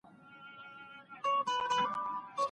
د غمونو سوي چیغي تر غوږونو نه رسېږي